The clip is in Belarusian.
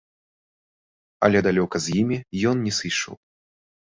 Але далёка з імі ён не сышоў.